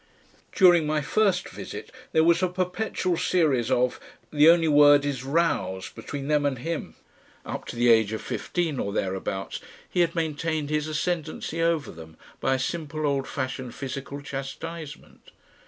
During my first visit there was a perpetual series of the only word is rows, between them and him. Up to the age of fifteen or thereabouts, he had maintained his ascendancy over them by simple old fashioned physical chastisement.